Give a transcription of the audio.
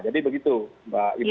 jadi begitu mbak ibu